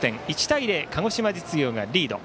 １対０、鹿児島実業がリード。